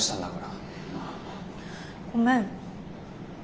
ごめん。